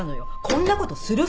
こんなことする？